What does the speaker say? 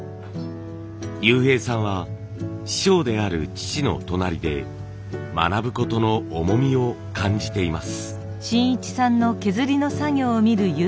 悠平さんは師匠である父の隣で学ぶことの重みを感じています。